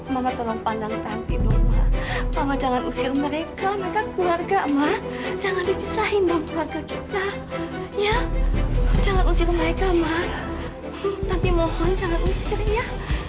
mama tolong pandang tanti dong mah mama jangan usir mereka mereka keluarga mah jangan dibisahi dong keluarga kita ya jangan usir mereka mah tanti mohon jangan usir ya